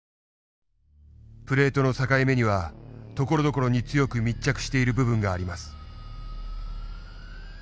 プレートの境目にはところどころに強く密着している部分があります。